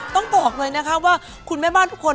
ต้องบอกเลยนะคะว่าคุณแม่บ้านทุกคน